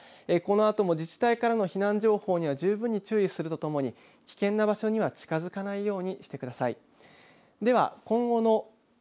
このあとも自治体からの避難情報には十分に注意するとともに危険な場所には近づかないようにしてください。